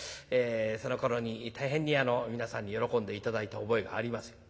そのころに大変に皆さんに喜んで頂いた覚えがあります。